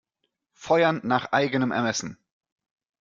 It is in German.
Feuern nach eigenem Ermessen!